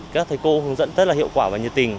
các thầy cô hướng dẫn rất là hiệu quả và nhiệt tình